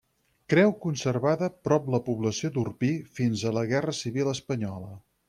Creu conservada prop la població d'Orpí fins a la guerra civil espanyola.